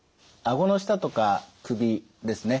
顎の下とか首ですね